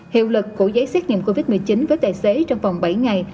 hiệu lực của giấy xét nghiệm covid một mươi chín với tài xế trong vòng bảy ngày